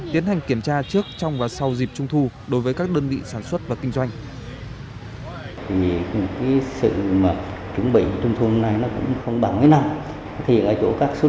tiến hành kiểm tra trước trong và sau dịp trung thu đối với các đơn vị sản xuất và kinh doanh